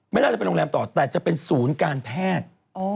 น่าจะเป็นโรงแรมต่อแต่จะเป็นศูนย์การแพทย์